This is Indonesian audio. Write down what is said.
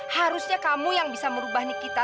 harusnya kamu yang bisa merubah nikita